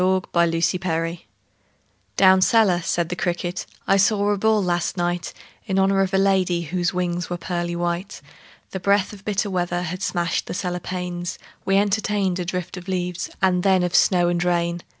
The Potato's Dance "Down cellar," said the cricket, "I saw a ball last night In honor of a lady Whose wings were pearly white. The breath of bitter weather Had smashed the cellar pane: We entertained a drift of leaves And then of snow and rain.